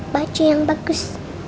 baju yang bagus